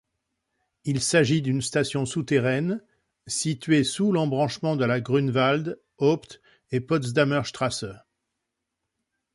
Il s'agit d'une station souterraine située sous l'embranchement de la Grunewald-, Haupt- et Potsdamerstraße.